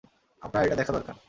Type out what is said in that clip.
আপনার এটা দেখা দরকার।